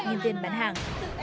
mẹ ơi cô ơi đẩy con